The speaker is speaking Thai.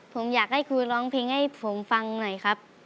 ผมอยากให้ครูร้องเพลงให้ผมฟังหน่อยครับ